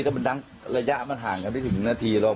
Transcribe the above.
ก็มันดังระยะมันห่างกันไม่ถึงนาทีหรอก